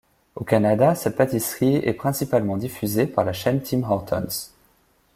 Au Canada, cette pâtisserie est principalement diffusée par la chaîne Tim Hortons.